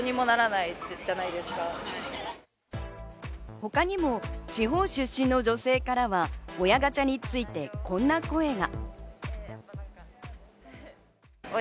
他にも地方出身の女性からは親ガチャについてこんな声が。